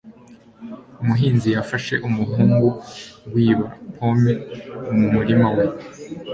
umuhinzi yafashe umuhungu wiba pome mu murima we